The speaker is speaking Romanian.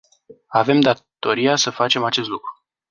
Avem datoria să facem acest lucru.